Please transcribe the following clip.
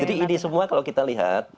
jadi ini semua kalau kita lihat